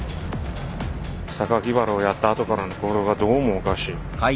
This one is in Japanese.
榊原をやった後からの行動がどうもおかしい。